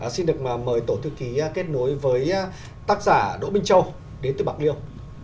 xin được mời tổ thư ký kết nối với tác giả đỗ minh châu đến từ bạc liêu